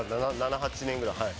７、８年くらい。